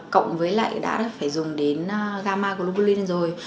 cộng với lại đã phải dùng đến gamma globulin rồi